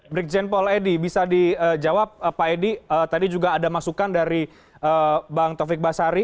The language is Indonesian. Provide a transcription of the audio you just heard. brigjen paul edi bisa dijawab pak edi tadi juga ada masukan dari bang taufik basari